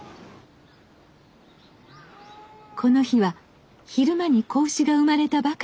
この日は昼間に子牛が産まれたばかり。